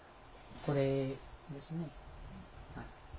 これですね。